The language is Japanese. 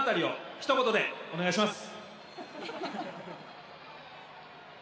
ひと言でお願いします！